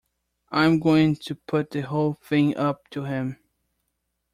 I'm going to put the whole thing up to him.